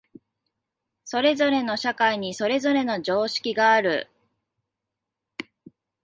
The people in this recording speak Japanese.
それぞれの社会にそれぞれの常識がある。